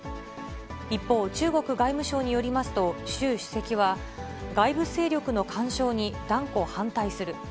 一方、中国外務省によりますと、習主席は、外部勢力の干渉に断固反対する。